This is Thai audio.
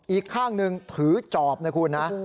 อีกข้างหนึ่งถือจอบนะคุณนะ